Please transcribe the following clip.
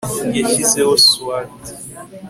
yashyizeho swater